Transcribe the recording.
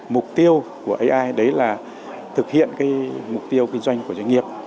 mục tiêu của ai đấy là thực hiện mục tiêu kinh doanh của doanh nghiệp